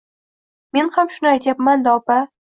Men ham shuni aytyapman-da, opa